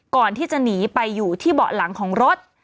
ก่อนที่จะหนีไปอยู่ที่เบาะหลังของรถ